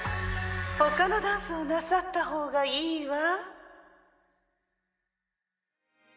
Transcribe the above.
ほかのダンスをなさった方がいいわ。